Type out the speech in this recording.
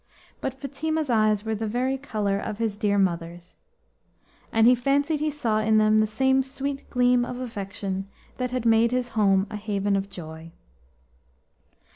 But Fatima's eyes were the very colour of his dear mother's, and he fancied he saw in them the same sweet gleam of affection that had made his home a haven of joy.